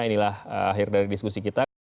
inilah akhir dari diskusi kita